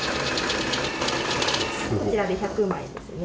こちらで１００枚ですね。